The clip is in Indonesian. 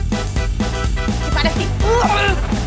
biar sama sama pas primera